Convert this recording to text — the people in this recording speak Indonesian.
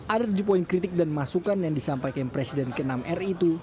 ada tujuh poin kritik dan masukan yang disampaikan presiden ke enam ri itu